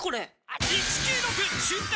「１９６瞬間